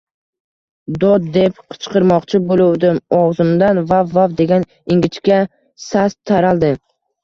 “Dod!” deb qichqirmoqchi bo‘luvdim, og‘zimdan “vav, vav” degan ingichka sas taraldi